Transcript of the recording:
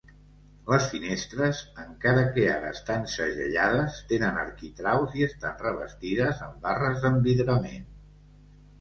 Les finestres, encara que ara estan segellades, tenen arquitraus i estan revestides amb barres d'envidrament.